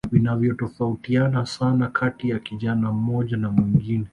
Vinatofautiana sana kati ya kijana mmoja na mwingine